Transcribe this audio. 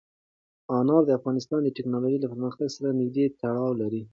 انار د افغانستان د تکنالوژۍ له پرمختګ سره نږدې تړاو لري.